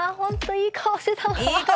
いい顔してた。